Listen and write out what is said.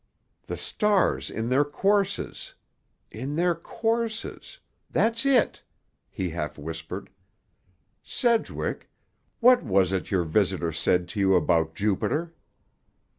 "The stars in their courses—in their courses—That's it!" he half whispered. "Sedgwick; what was it your visitor said to you about Jupiter?"